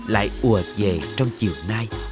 lại ùa về trong chiều nay